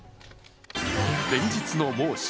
連日の猛暑。